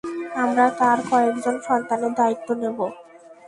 আমরা তার কয়েকজন সন্তানের দায়িত্ব নেব।